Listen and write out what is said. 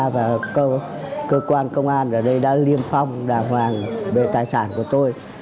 và cơ quan công an ở đây đã liêm phong đàng hoàng về tài sản của tôi